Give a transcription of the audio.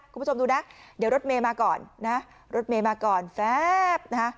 คุณผู้ชมดูนะเดี๋ยวรถเมย์มาก่อนนะรถเมย์มาก่อนแป๊บนะฮะ